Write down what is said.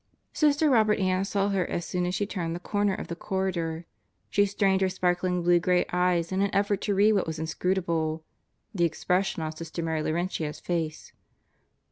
Sister Robert Ann saw her as soon as she turned the corner of the corridor. She strained her sparkling blue gray eyes in an effort to read what was inscrutable the expression on Sister Mary Laurentia's face.